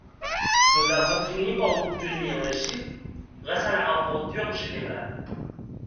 Nous avons fini par obtenir les chiffres grâce à la rapporteure générale.